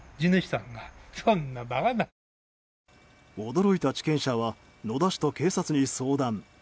驚いた地権者は野田市と警察に相談。